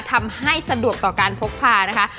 ทำให้สะดวกต่อการพกพานะคะ